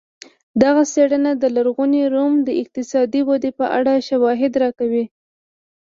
دغه څېړنه د لرغوني روم د اقتصادي ودې په اړه شواهد راکوي